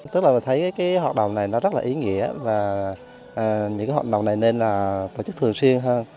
tức là mình thấy cái hoạt động này nó rất là ý nghĩa và những cái hoạt động này nên là tổ chức thường xuyên hơn